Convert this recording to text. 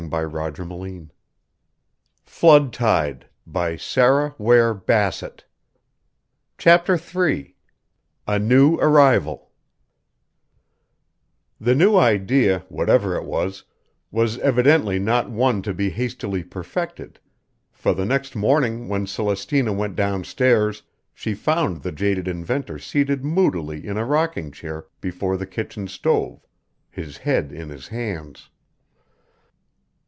Willie was once again "kitched by an idee!" CHAPTER III A NEW ARRIVAL The new idea, whatever it was, was evidently not one to be hastily perfected, for the next morning when Celestina went down stairs, she found the jaded inventor seated moodily in a rocking chair before the kitchen stove, his head in his hands.